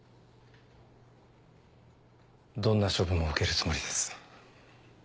どんな処分も受けるつもりです。